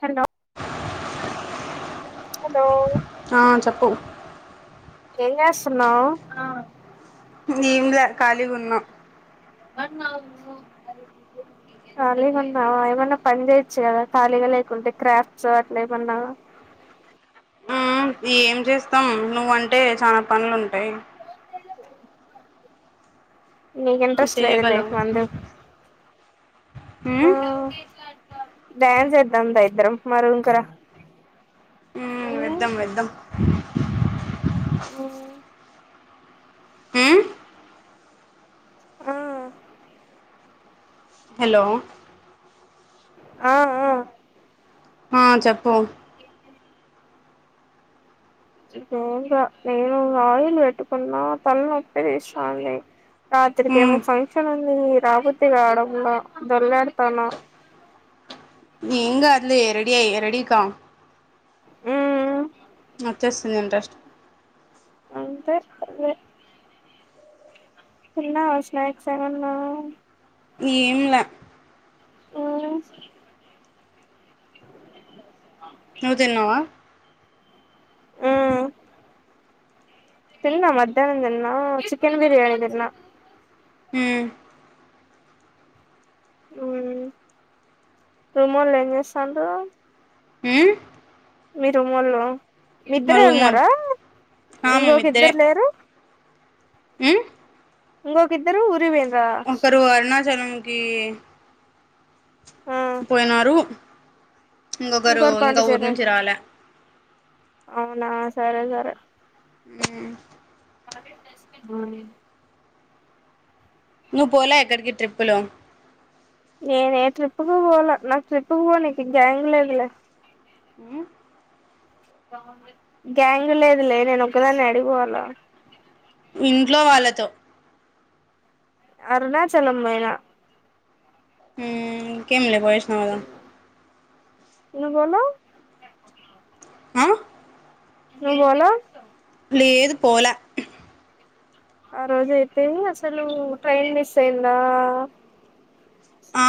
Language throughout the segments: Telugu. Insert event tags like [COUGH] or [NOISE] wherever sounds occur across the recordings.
హలో హలో ఆ చెప్పు ఏస్తున్నాం నంల కాళగున్నాం ఖాళీగా ఉన్నావా ఏమన్నా పని చేయచ్చు కదా ఖాళీగా లేకుంటే క్రాఫ్ట్స్ అట్లా ఏమన్నావా మ్మ్ ఏం చేస్తాం నువ్వంటే చాల పనులు ఉంటాయి నువ్వు ఇంటర్స్టేట్ చేయగలవు ఫ్లో మ్మ్ డ్యాన్స్ చేద్దాందా ఇద్దరం మరి ఇంకరా ఉ వెద్దం వెద్దం ఓ అ ఆ హలో ఆ ఆ ఆ చెప్పు బేంగా నేను ఆయిల్ పెట్టుకున్నా తలనొప్పి తీసాడి రాత్రికి ఏమో మ్మ్ ఫంక్షన్ ఉంది రాబతి కావడంలో దొల్లాడతాను ఎంగ అదిలు రెడియ రెడికా ఉమ్ వచ్చేస్తుంది ఇంట్రెస్ట్ ఇ చిన్న స్నక్ సగంన్నా ఏంలా ఆ నువ్వు తన్నావా ఆ తిన్నా మధ్యాహ్నం దన్నా చికెన్ బిర్యాని దిన్నా అ రుమాలజసాలు హ మీరు మళ్ళో మీ ఇద్దరే రూమోల్ ఉన్నారా ఆ ఇంకొక ఇద్దరు లేరు హ్మ్ ఇంకొక ఇద్దరు ఊరివేం ఒక్కరు అరుణా చలంకీ ఆ పోయినారు ఇంకొకరు ఇంకోరు ఇంకా ఊరు పాండిచేరి నుంచి రాల అవునా సరే సరే హ్మ్ హ్మ్ నువ్వు పోలే ఎక్కడికి ట్రిప్పులు నేను ఏ ట్రిప్పు కు పోాల నాకు ట్రిప్పు కు పోనీకు గ్యాంగ్ లేదులే ఏ గ్యాంగ్ లేదులే నేను ఒక్కదాన్ని యాడ పోవాల ఇంట్లో వాళ్ళతో అరుణాచలం పోైనా హ కేమిల పోజ సనాదా త బ ఆ బో పళ్లి ఏదు పోలే ఆ రోజ అయితే అసలు ట్రైన్ మిస్ అయిందా ఆ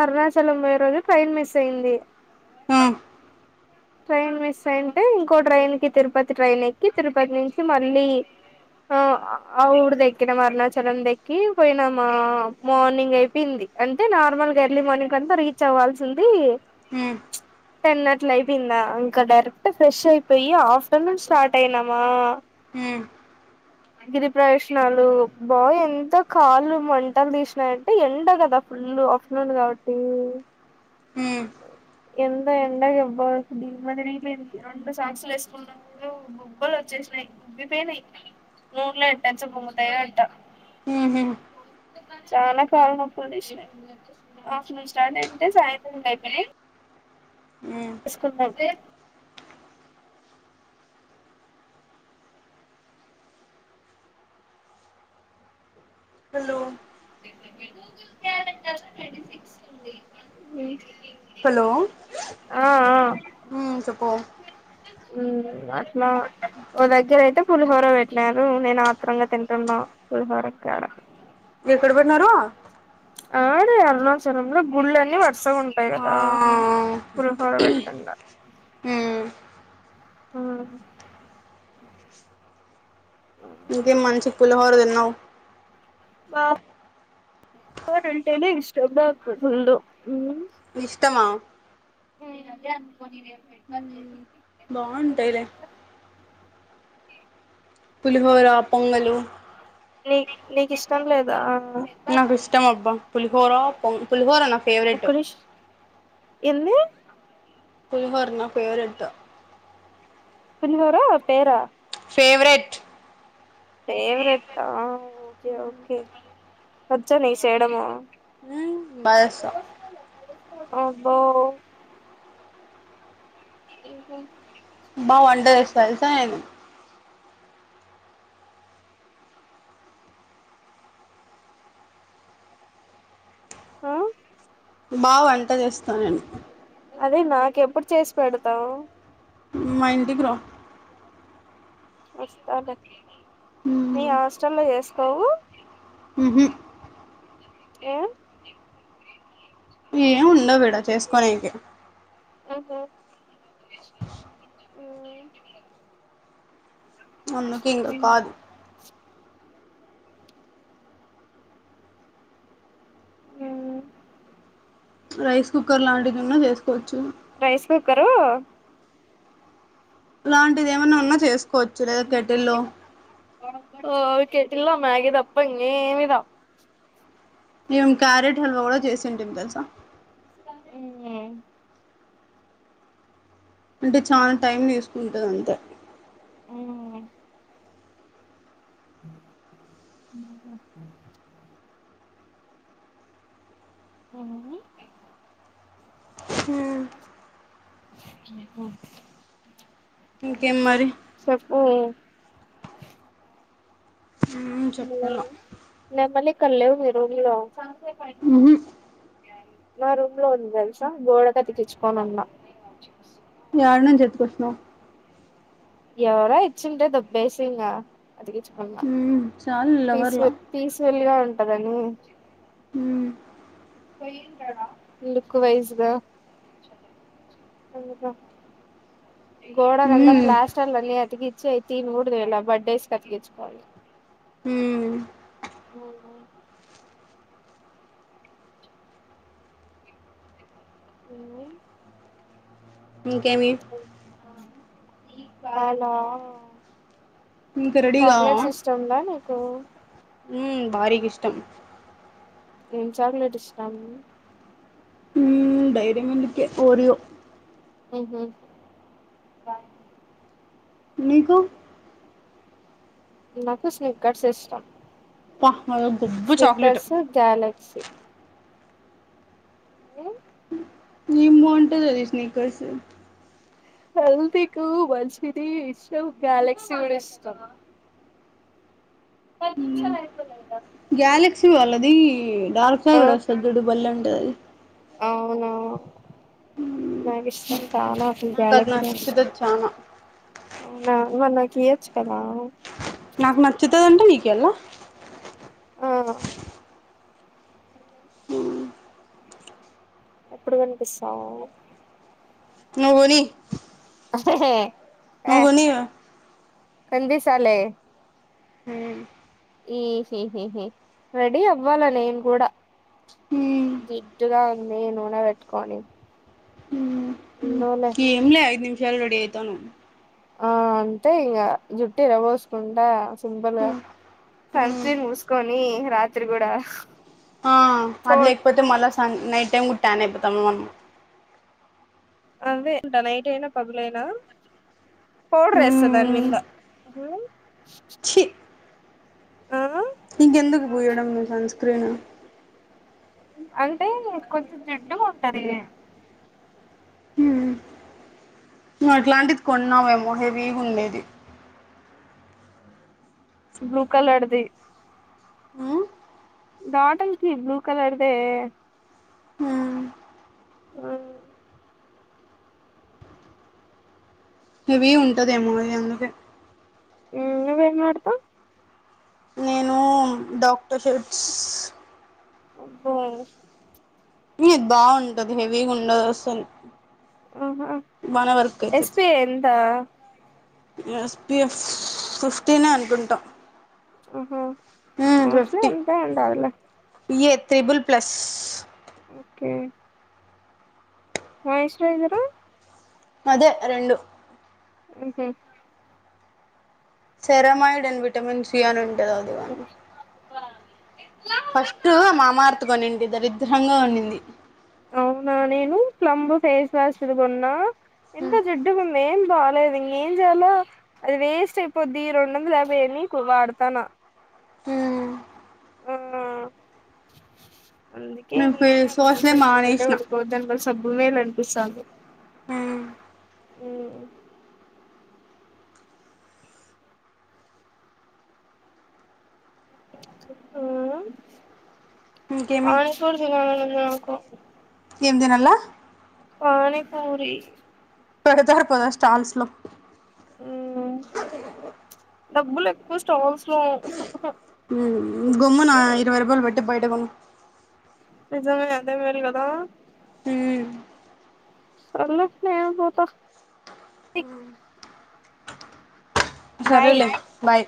అరుణాచలం పోయే రోజు ట్రైన్ మిస్ అయింది ఆ ట్రైన్ మిస్ అయింటే ఇంకో ట్రైన్ కి తిరుపతి ట్రైన్ ఎక్కి తిరుపతి నుంచి మళ్ళీ ఆ ఆ ఊరు ద ఎక్కినాం అరుణాచలం దక్కి పోయినాము మార్నింగ్ అయిపోయింది అంటే నార్మల్గా ఎర్లీ మార్నింగ్ అంతా రీచ్ అవ్వాల్సింది హ టన్నట్లైఫ అందా అంకా డైరెక్ ఫ్రెష్ అయిపోయి ఆఫటర్నూన్ స్టార్ట్ అయనమా మ్మ్ గిరి ప్రయోజనాలు బా ఎంత కాళ్లుు వంటలు తీసినాయంటే ఎండ కదా ఫుల్ అప్షనాలు కాబట్టి మ్మ్ ఎంత ఎండ ఎవబ దిమదిరిగిపోయింది రెండు సాక్స్లు వేసుకున్నప్పుడు బొబ్్బలు వచ్చేసినాయి బొబ్్బిపోయినాయి మూర్లో అట్టాంచ బొముతయ అట్ట ఆ చాలా కాలంప్పుడు ఆఫ్లు స్టార్ట్ అంటే సాయంత్రం అయిపో అ మ్మ్ [UNINTELLIGIBLE] హలో కాలెండర్ సిక్స్ ఉడి హలో చెప్ప అట్లా ఓ దగ్గర అయితే పులిహోర పెట్లేారు నేను ఆత్రరంగా తింటున్నా పులిహోరడ ఎక్కడ బడినారూ ఆడే అరుణాచరంలో గుళ్ళీ పడుత కస ఉంటాయి కదా ఆ [UNINTELLIGIBLE] పెట్టంగా మ్మ్ ఆ ఆ ఇంకేం మంచి పులహోరలు విన్నావు బంటేనే ఇష్టందు ఇష్టమా ధ్యాను పోనీ రమ పర్జేసి బాగుంటాయిలే పులిహోరా పొంగల్ అలు నీ నీకు ఇష్టం లేదా నాకు ఇష్టం అబ్బా పలిహోర పలిహోర నా ఫేవరెట్ ఒక్కడిష్ ఎంది పలిహోర నా ఫేవరెట్ పలిహోర పేరా ఫేవరెట్ ఫవెట్కే ఒకే ఒకే వచ్చా నీకు చేయడము హ బసా అబ్బో ఇంకా మా వండర్ ఇస్త తెలుసా నేను ఆ బా వంట చేస్త స్త నేను అదే నాక ఎప్పుడు చేసి పెడతావ్ మ ఇంటికి రా వస్త లే మీ హాస్టెల్ లో చేస్త కా మీవి ఆ ఏ ఉండవడ చేసుకోని ఇనికి ఆహా అనుకి ఇంగ కాదు ఉమ్ రైస్ కుక్కర్ లాంటిదిన్నా చేసుకోవచ్చు రైస్ కుక్కరు లాంటిది ఏమైన్నా ఉన్నా చేస్త కొచుల కెటిల్లో కేటిలా మ్యాగి దాప్ప ఇంగేమి రావ్ ఏం క్యారెట్ హల్వా కూడా చేసేంటేం తెలుసా ఉ అంటే చాలా టైం వేస్తు ఇంటంత అ అ ఇంకేం మరి చెప్పు ఉమ్ చెప్పాల నేన మళ్లీ కల్లేవ్ మీ రూమ్ లో ఫైనా ఉహు నా రూమ్ లో ఉంది తెలుసా గోడ కతికిచ్చుకోనున్న యాట్నుంచి ఎత్తుకోచినవ్ ఎవరో ఇచ్చింటే దొబ్బేసి ఇంగా అతికిచ్చుకున్నా ఉమ్ చాలు తీస్ లవర్లా తీీస్ వెళ్ళగా ఉంటదని హ్మ క్ వైజద [INAUDIBLE] గోడకంత మ్మ్ పప్లాస్టర్లు అని అతికి ఇచ్చైతి తినుకూడా తీయాలే బర్త్డేస్ క అతికిచ్చుకోవాలి మ్మ్ హ్మ హ్మ ఎంది ఇంకేమి పాల ఇంక రెడీ చాక్లెట్స్ ఎస్టంలే నీకు హ్మ బారిగిస్టం ఏం చాక్లెట్ ఇష్టం డైరీమిల్క్ ఏ ఒరియో హు హు మీకు నాకు స్నిక్కెర్స్ ఇష్టం త స్నిక్కర్స్ గ్యాలక్సీ ది ఎంబంటది అది స్నికర్స్ హల్దికు వల్షీటి ఇష్టం గ్యలేక్సీ కూడా ఇష్టం పదిక్షా పోలాగా గ్యాలక్సీ వాళ్ళది డార్క్ ఆ చాక్లెట్ వస్తది చూడు బాలేఉ దల్ అవునా హ్మ నక్ ఇష్టం చానా అసలు గాలక్సీ చానా అంటే ఇయ్యాచు కదా నాకు నచ్చుతాదంటే నీకియాళ్ల ఆ ఎప్పుడు కోనిపిస్తావు నవ్వని అ నువ్వు కొని కనిపిస్తాలే మ్మ్ రెడీ అవ్వాలా నేను కూడా మ్మ్ జిడ్డుగా ఉంది నూనె పెట్టుకొని మ్మ్ ఉందోలే ఏంలే ఐదు నిమిషం లు రెడీ అయితాను ఆ అంటే ఇంకా జుట్టి ఇరవోసుకుంటడ సింపుల్గా మ్మ్ సన్ మ్మ్ స్క్రీన్ పూసుకొని రాత్రి కూడా ఆ అది పౌడ్ లేకపోతే మళ్ళా స నైట్ టైం కుడా టాన్ అయిపోతాం మనము అదేంట నైట్ అయినా పగులైనా పౌడర్ వేస్తా దాని మ్మ్ మీంద ఇంకెందుకు పూయడం సన్ స్క్రీన్ అంటే కొంచెం జిడ్డుగా ఉంటది నువ్వు అట్లాంటిది కొన్నావేమో హెవీ ఉండేది బ్లూ కలర్ది డాటల్కి బ్లూ కలర్దే మ్మ్ వన్ ఇవి ఉంటదేమో అని అందుకే ఉ నువ్వేం వాడుతావ్ నేను డాక్టర్ స్పిరిట్స్ అబ్బో ఉ బాగుంటది హెవీగా ఉండదు అసలు ఆహా బానే వర్క్ అయితది ఎస్పిఐ ఎంత ఎస్పిఎఫ్ ఫిఫ్టీనే అనుకుంటా ఆహా మోస్ట్లీ అంతే ఉంటదిలే ఇఏ త్రిబుల్ ప్లస్ ఓకే మాయిశ్చరైజర్ అదే రెండు ఉహు సెరమైడన్ విటమిన్ సీ అని ఉ ఫస్ట్ మమర్త్ కొని దరిద్రంగా ఉండింది అవునా నేను ప్లంబు ఫేస్ వాష్ ది కోన్నా ఎంత జిడ్డు గున్ ఎం బాలేదు ఇంకేం చేయాలో అది వేస్ట్ అయిపోద్ది రెండు వందల యాభై అనీ వాడతన్న హు ఆ అందుకే నేను ఇంకేం ఫేస్ చేయాలా వాష్లే ఇంగోసారి బుద్ధి ఉంటే మానేసిన కొనుక్కోవద్దు అని సబ్బు మేలునిపిస్థాంది హు ఉ ఇంకేమి ఆ వానికి కూడ చూడలనుం నాకు ఏం దినల్లా పాని పూరి పెడతారు పా స్టాల్స్ లో మ్మ్ డబ్బులు ఎక్కువ స్టాల్స్ లో గొమ్మన ఇవై రూపాయలు బెట్టి బయటగొను నిజమే అదే మేల్ గదా హు సర్లే నేనె పోత సరే లేే బాయ్